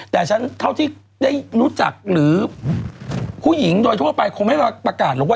แต่ฉันเท่าที่ได้รู้จักหรือผู้หญิงโดยทั่วไปคงไม่มาประกาศหรอกว่า